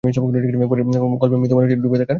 গল্পে মৃত মানুষটির ডুবে-ডুবে চলার কথা আছে।